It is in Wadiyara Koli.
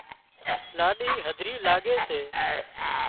لُاڏِي هڌري لاڳي سي